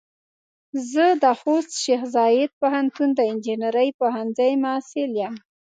زه د خوست شیخ زايد پوهنتون د انجنیري پوهنځۍ محصل يم.